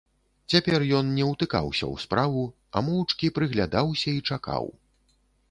Цяпер ён не ўтыкаўся ў справу, а моўчкі прыглядаўся і чакаў.